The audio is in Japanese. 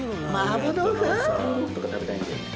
麻婆豆腐とか食べたいんだよね